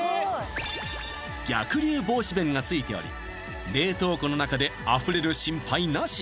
逆流防止弁がついており冷凍庫の中であふれる心配なし！